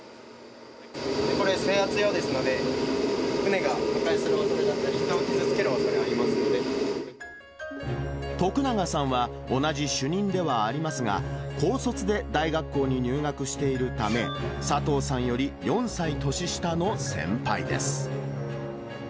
これ、制圧用ですので、船が破壊するおそれだったり、人を傷つけるおそれがありますの徳永さんは、同じ主任ではありますが、高卒で大学校に入学しているため、佐藤さんより４歳年下の先輩です。